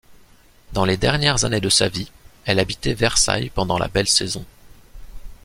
Dans les dernières années de sa vie, elle habitait Versailles pendant la belle saison.